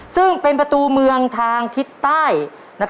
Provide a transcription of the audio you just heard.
ซึ่งเป็นประตูเมืองทางทิศใต้